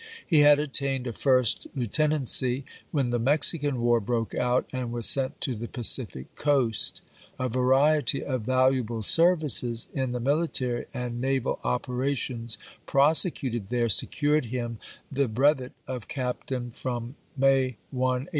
He had attained a first lieutenancy when the Mexican war broke out, and was sent to the Pacific coast. A variety of valuable services in the military and naval operations prosecuted there secured him the brevet of captain from May 1, 1847.